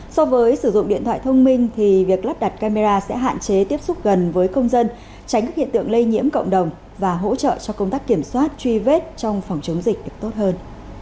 so với sử dụng điện thoại thông minh thì việc lắp đặt camera sẽ hạn chế tiếp xúc gần với công dân tránh các hiện tượng lây nhiễm cộng đồng và hỗ trợ cho công tác kiểm soát truy vết trong phòng chống dịch được tốt hơn